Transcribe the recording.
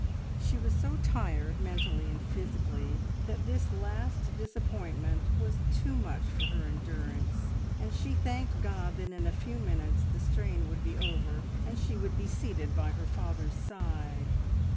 She was so tired mentally and physically that this last disappointment was too much for her endurance, and she thanked God that in a few minutes the strain would be over, and she would be seated by her father's side.